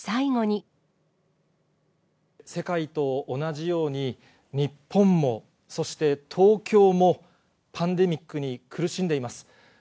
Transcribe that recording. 世界と同じように、日本も、そして東京も、パンデミックに苦しんでいます。